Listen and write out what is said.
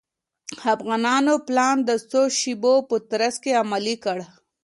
افغانانو پلان د څو شېبو په ترڅ کې عملي کړ.